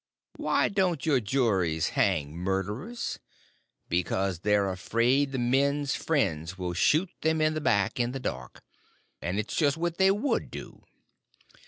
Why don't your juries hang murderers? Because they're afraid the man's friends will shoot them in the back, in the dark—and it's just what they would do.